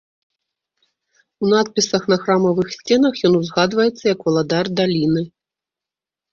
У надпісах на храмавых сценах ён узгадваецца як валадар даліны.